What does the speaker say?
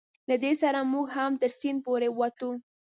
له دې سره موږ هم تر سیند پورې وتو.